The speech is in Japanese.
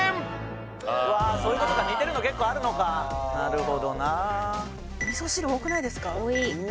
わそういうことか似てるの結構あるのかなるほどな味噌汁多くないですか？